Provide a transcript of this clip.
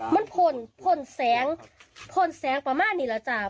มันผ่นผ่นแสงผ่นแสงประมาณนี้แหละจ้ะ